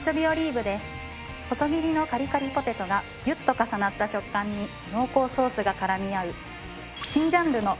細切りのカリカリポテトがギュッと重なった食感に濃厚ソースが絡み合う。